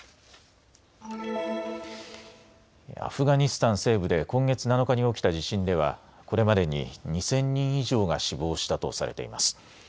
アフガニスタン西部で今月７日に起きた地震ではこれまでに２０００人以上が死亡したとされています。